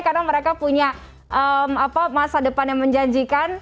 karena mereka punya masa depan yang menjanjikan